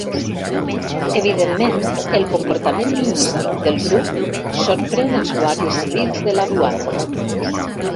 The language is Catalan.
Evidentment, el comportament lingüístic del grup sorprèn els guàrdies civils de la duana.